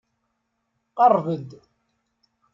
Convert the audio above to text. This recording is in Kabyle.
Qerreb-d.